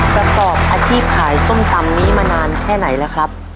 ประกอบอาชีพขายส้มตำนี้มานานแค่ไหนแล้วครับ